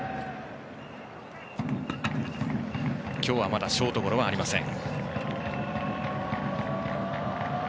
今日はまだショートゴロはありません。